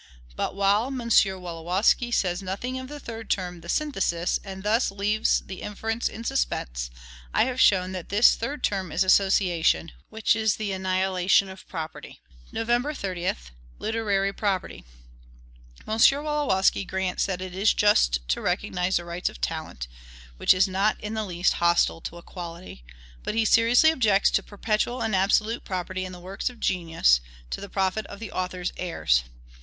But, while M. Wolowski says nothing of the third term, the SYNTHESIS, and thus leaves the inference in suspense, I have shown that this third term is ASSOCIATION, which is the annihilation of property. November 30. LITERARY PROPERTY. M. Wolowski grants that it is just to recognize the rights of talent (which is not in the least hostile to equality); but he seriously objects to perpetual and absolute property in the works of genius, to the profit of the authors' heirs.